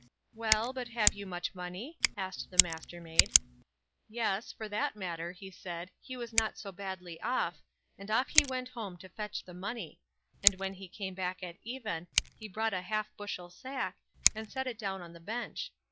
"Well, but have you much money?" asked the Mastermaid. Yes, for that matter, he said, he was not so badly off, and off he went home to fetch the money, and when he came back at even he brought a half bushel sack, and set it down on the bench.